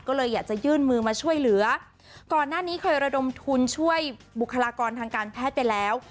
ก็เลยอยากจะยื่นมือมาช่วยเหลือก่อนหน้านี้เคยระดมทุนช่วยบุคลากรทางการแพทย์ไปแล้ว